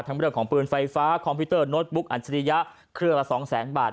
เรื่องของปืนไฟฟ้าคอมพิวเตอร์โน้ตบุ๊กอัจฉริยะเครื่องละสองแสนบาท